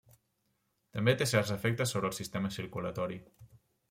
També té certs efectes en el sistema circulatori.